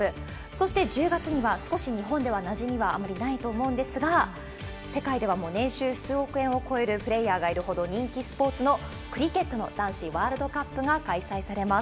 そして１０月には少し日本ではなじみはあまりないと思うんですが、世界ではもう年収数億円を超えるプレーヤーがいるほど人気スポーツの、クリケットの男子ワールドカップが開催されます。